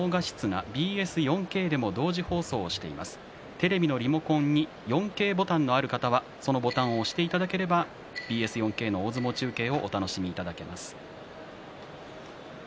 テレビのリモコンに４Ｋボタンのある方はそのボタンを押していただければＢＳ４Ｋの大相撲中継をお楽しみいただけます。